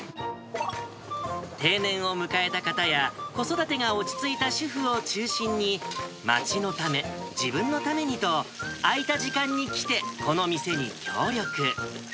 定年を迎えた方や、子育てが落ち着いた主婦を中心に、町のため、自分のためにと、空いた時間に来て、この店に協力。